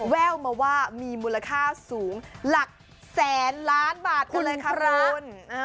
แว่วมาว่ามีมูลค่าสูงหลักแสนล้านบาทคุณเลยค่ะคุณ